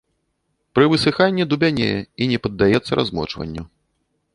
Пры высыханні дубянее і не паддаецца размочванню.